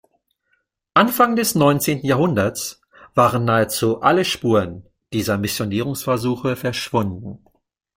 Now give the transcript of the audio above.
Anfang des neunzehnten Jahrhunderts waren nahezu alle Spuren dieser Missionierungsversuche verschwunden.